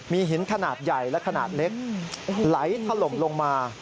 มีหินขนาดใหญ่และขนาดเล็กไหลถล่มลงมา